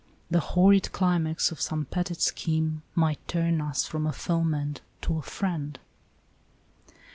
The horrid climax of some petted scheme Might turn us from a foeman to a friend."